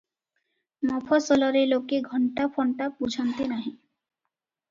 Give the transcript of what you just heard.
ମଫସଲରେ ଲୋକେ ଘଣ୍ଟା ଫଣ୍ଟା ବୁଝନ୍ତି ନାହିଁ ।